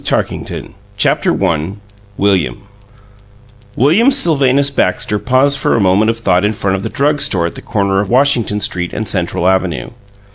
XXX. THE BRIDE TO BE SEVENTEEN I WILLIAM William Sylvanus Baxter paused for a moment of thought in front of the drug store at the corner of Washington Street and Central Avenue.